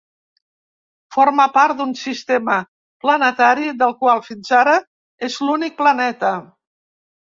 Forma part d'un sistema planetari, del qual, fins ara, és l'únic planeta.